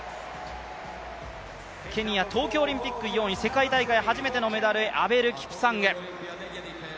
ケニア、東京オリンピック４位、世界大会初めてのメダル、アベル・キプサング。